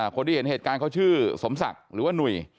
คนที่เห็นเหตุการณ์เขาชื่อสมศักดิ์หรือว่าหนุ่ย